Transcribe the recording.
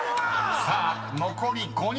［さあ残り５人。